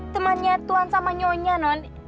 temannya tuhan sama nyonya non